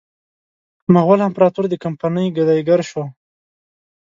مغول امپراطور د کمپنۍ ګدایي ګر شو.